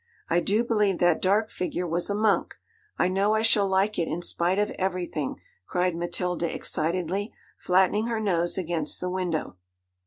I do believe that dark figure was a monk! I know I shall like it in spite of everything,' cried Matilda excitedly, flattening her nose against the window.